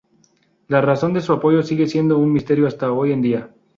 La razón de su apoyo sigue siendo un misterio hasta hoy en día.